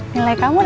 nilai kamu dapat b